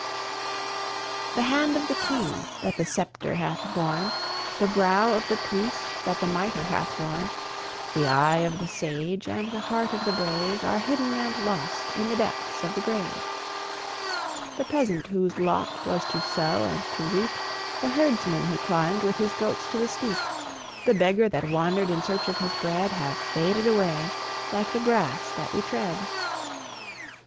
The hand of the king that the scepter hath borne, The brow of the priest that the miter hath worn, The eye of the sage, and the heart of the brave, Are hidden and lost in the depths of the grave. The peasant whose lot was to sow and to reap, The herdsman who climbed with his goats to the steep, The beggar that wandered in search of his bread, Have faded away like the grass that we tread.